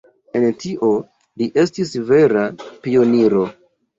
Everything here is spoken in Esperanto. En tio, li estis vera pioniro.